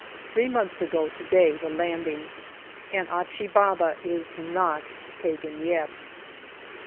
Three months ago to day the landing, and Achi Baba is not taken yet.